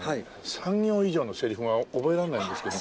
３行以上のセリフが覚えられないんですけど。